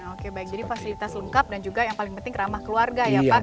oke baik jadi fasilitas lengkap dan juga yang paling penting ramah keluarga ya pak